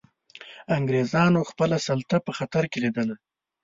انګلیسانو خپله سلطه په خطر کې لیده.